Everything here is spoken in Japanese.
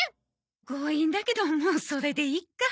強引だけどもうそれでいっか。